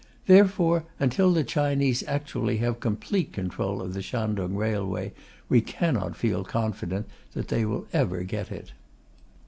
Therefore, until the Chinese actually have complete control of the Shantung Railway, we cannot feel confident that they will ever get it.